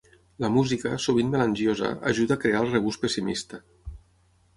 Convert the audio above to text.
La música, sovint melangiosa, ajuda a crear el regust pessimista.